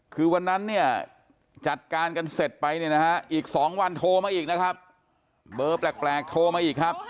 คือวันนั้นเนี่ยจัดการกันเสร็จไปเนี่ยนะฮะอีก๒วันโทรมาอีกนะครับเบอร์แปลกโทรมาอีกครับ